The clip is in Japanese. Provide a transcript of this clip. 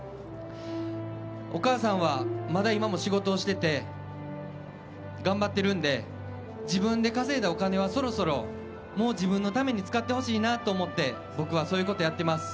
お母さんはまだ今も仕事をしていて頑張っているので自分で稼いだお金はそろそろ、もう自分のために使ってほしいなと思って僕はそういうことをやってます。